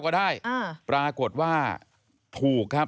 ก็ได้ปรากฏว่าถูกครับ